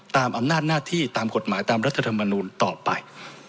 ตามอำนาจหน้าที่ตามกฎหมายตามรัฐธรรมนูลต่อไป